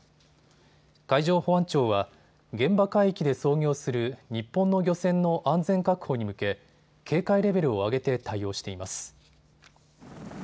海上保安庁は現場海域で操業する日本の漁船の安全確保に向け警戒レベルを上げて対応しています。